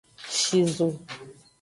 Shizo.